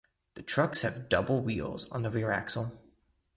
The trucks have double wheels on the rear axle.